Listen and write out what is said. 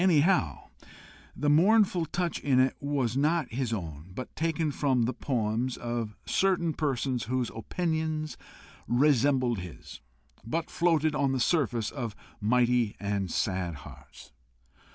Anyhow, the mournful touch in it was not his own, but taken from the poems of certain persons whose opinions resembled his, but floated on the surface of mighty and sad hearts.